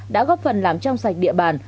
đã góp phần làm trong sạch địa bàn